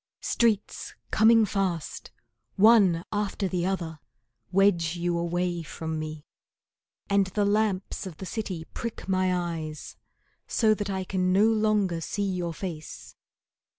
Streets coming fast, One after the other, Wedge you away from me, And the lamps of the city prick my eyes So that I can no longer see your face.